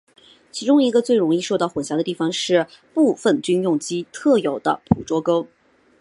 其中一个最容易受到混淆的地方是部份军用机特有的捕捉勾。